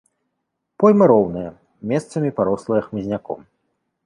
Пойма роўная, месцамі парослая хмызняком.